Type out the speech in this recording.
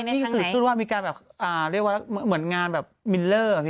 ดูดูว่ามีการเรียกว่าเหมือนงานแบบมิลเลอร์